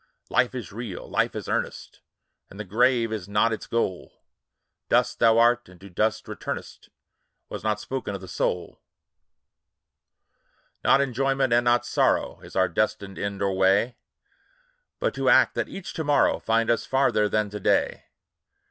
Life is real ! Life is earnest ! And the grave is not its goal ; Dust thou art, to dust returnest, Was not spoken of the soul. VOICES OF THE NIGHT. Not enjoyment, and not sorrow, Is our destined end or way ; But to act, that each to morrow Find us farther than to day.